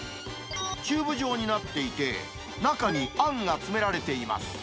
チューブ状になっていて、中にあんが詰められています。